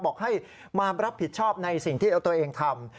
บอกให้มารับผิดชอบในสิ่งที่เอาตัวเองทำ